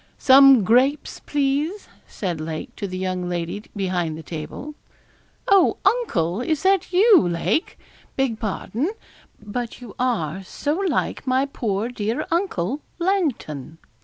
'Some grapes, please,' said Lake, to the young lady behind the table. 'Oh, uncle! Is that you, Lake? beg pardon; but you are so like my poor dear uncle, Langton.